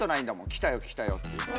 「来たよ来たよ」っていうのは。